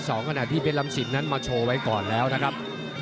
ลำศิริรำสินเนี่ยมาโชว์ไว้ก่อนแล้วนะครับ